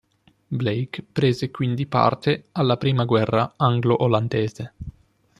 Blake prese quindi parte alla Prima guerra anglo-olandese.